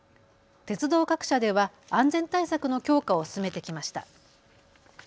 鉄道各社では安全対策の強化を進めてきました。